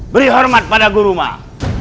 beri hormat pada guru mah